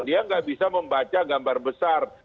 dia nggak bisa membaca gambar besar